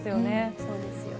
そうですよね。